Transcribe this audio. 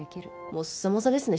モッサモサですね